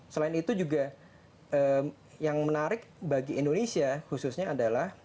selain itu juga yang menarik bagi indonesia khususnya adalah